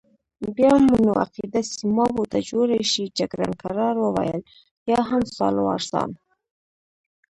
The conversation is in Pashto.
بیا مو نو عقیده سیمابو ته جوړه شي، جګړن کرار وویل: یا هم سالوارسان.